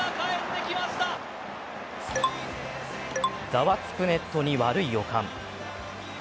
ざわつくネットに悪い予感。